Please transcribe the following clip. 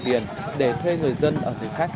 tiền để thuê người dân ở thường khách